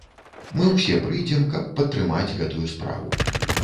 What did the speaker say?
Мы ўсе прыйдзем, каб падтрымаць гэтую справу.